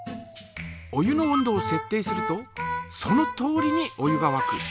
お湯の温度をせっ定するとそのとおりにお湯がわく。